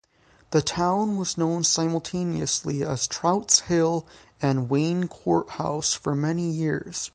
The town was known simultaneously as Trout's Hill and Wayne Courthouse for many years.